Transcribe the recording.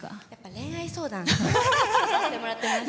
恋愛相談してもらってます。